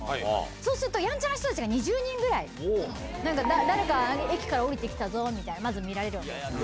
そうすると、やんちゃな人たちが２０人ぐらい、誰か、駅から降りてきたぞみたいな、まず見られるわけですよ。